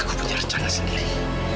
aku punya rencana sendiri